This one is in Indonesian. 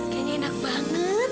kayaknya enak banget